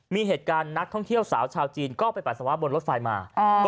มีเหตุการณ์นักท่องเที่ยวสาวชาวจีนก็ไปปัสสาวะบนรถไฟมา